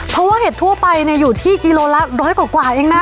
เพราะว่าเห็ดทั่วไปอยู่ที่กิโลละร้อยกว่าเองนะ